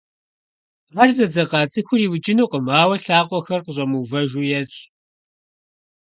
Ар зэдзэкъа цIыхур иукIынукъым, ауэ и лъакъуэхэр къыщIэмыувэжу ещI.